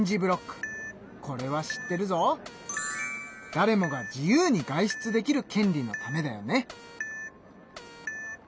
だれもが自由に外出できる権利のためだよね。